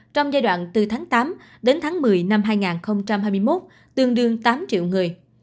trong giai đoạn từ tháng tám đến tháng một mươi năm hai nghìn hai mươi một tương đương tám triệu người